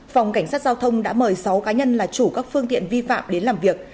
phòng cảnh sát giao thông đã mời sáu cá nhân là chủ các phương tiện vi phạm đến làm việc